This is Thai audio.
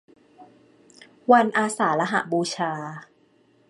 วันอาสาฬหบูชา